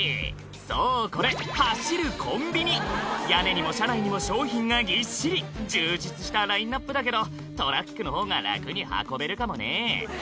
そうこれ屋根にも車内にも商品がぎっしり充実したラインアップだけどトラックのほうが楽に運べるかもね